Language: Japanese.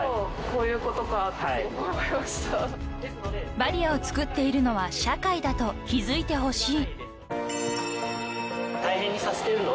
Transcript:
［バリアーをつくっているのは社会だと気付いてほしい］